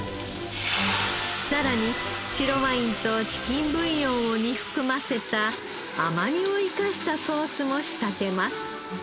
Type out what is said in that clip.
さらに白ワインとチキンブイヨンを煮含ませた甘みを生かしたソースも仕立てます。